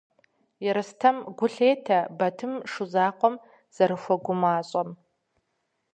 Ерстэм гу лъетэ Батым Шу закъуэм зэрыхуэгумащӏэм.